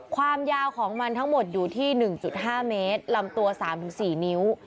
ความยาวของมันทั้งหมดอยู่ที่หนึ่งจุดห้าเมตรลำตัวสามถึงสี่นิ้ว